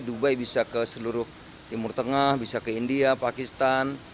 dubai bisa ke seluruh timur tengah bisa ke india pakistan